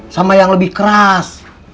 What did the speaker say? sama yang lebih keras